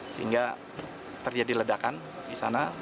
sehingga terjadi ledakan di sana